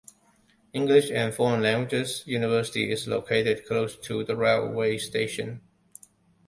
English and Foreign Languages University is located close to the railway station.